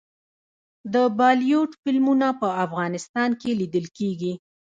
د بالیووډ فلمونه په افغانستان کې لیدل کیږي.